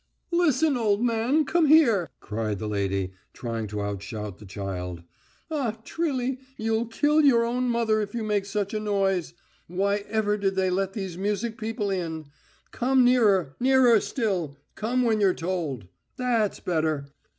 "Listen, old man, come up here," cried the lady, trying to outshout the child. "Ah, Trilly, you'll kill your own mother if you make such a noise. Why ever did they let these music people in? Come nearer nearer still; come when you're told!... That's better....